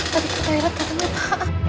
tapi kita erat katanya pak